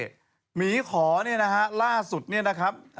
หมีขอเนี่ยนะฮะล่าสุดเนี่ยนะครับ